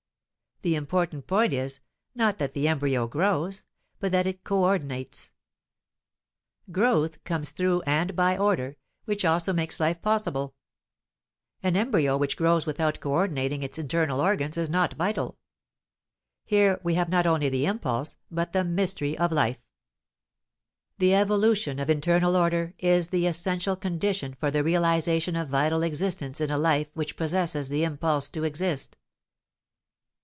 The important point is, not that the embryo grows, but that it coordinates. "Growth" comes through and by order, which also makes life possible. An embryo which grows without coordinating its internal organs is not vital. Here we have not only the impulse, but the mystery of life. The evolution of internal order is the essential condition for the realization of vital existence in a life which possesses the impulse to exist.